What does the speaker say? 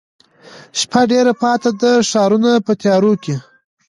شپه ډېره پاته ده ښارونه په تیاروکې،